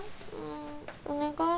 お願い。